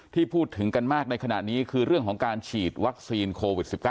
ที่พูดถึงกันมากในขณะนี้คือเรื่องของการฉีดวัคซีนโควิด๑๙